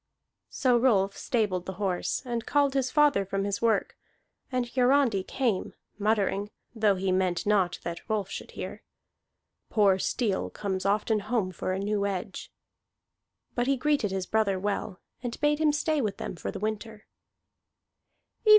So Rolf stabled the horse, and called his father from his work; and Hiarandi came, muttering (though he meant not that Rolf should hear), "Poor steel comes often home for a new edge." But he greeted his brother well, and bade him stay with them for the winter.